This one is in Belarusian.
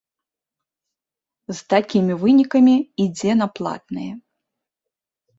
З такімі вынікамі ідзе на платнае.